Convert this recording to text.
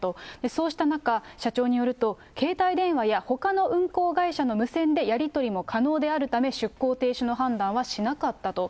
そうした中、社長によると、携帯電話やほかの運航会社の無線でやり取りも可能であるため、出航停止の判断はしなかったと。